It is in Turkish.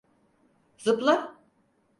Zıpla!